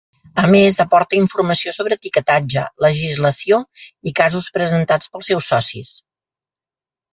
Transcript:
A més aporta informació sobre etiquetatge, legislació i casos presentats pels seus socis.